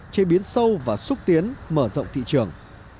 chế biến sâu và xúc tiến mở rộng thị trường